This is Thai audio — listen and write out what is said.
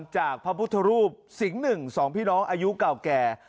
จากพระพุทธรูปสิงห์๑๒พี่น้องอายุเก่าแก่